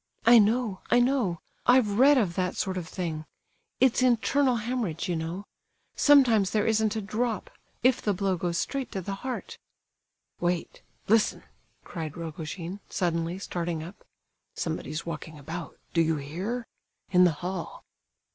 "I know, I know, I've read of that sort of thing—it's internal haemorrhage, you know. Sometimes there isn't a drop—if the blow goes straight to the heart—" "Wait—listen!" cried Rogojin, suddenly, starting up. "Somebody's walking about, do you hear? In the hall."